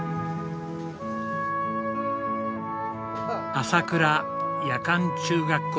朝倉夜間中学校。